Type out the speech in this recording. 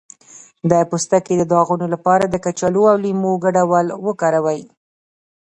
د پوستکي د داغونو لپاره د کچالو او لیمو ګډول وکاروئ